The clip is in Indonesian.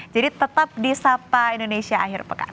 jadi tetap di sapa indonesia akhir pekan